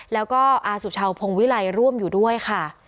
แล้วก็อาสุชาวพงวิลัยร่วมอยู่ด้วยค่ะ